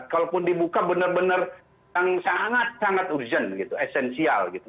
kalaupun dibuka benar benar yang sangat sangat urgent gitu esensial gitu